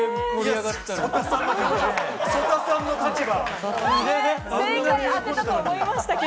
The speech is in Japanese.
曽田さんの立場。